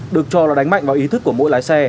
được cho là đánh mạnh vào ý thức của mỗi lái xe